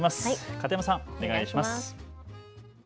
片山さん、お願いします。